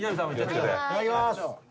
いただきます。